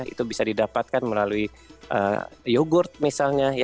itu bisa didapatkan melalui yoghurt misalnya ya